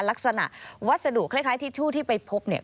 ลักษณะวัสดุคล้ายทิชชู่ที่ไปพบเนี่ย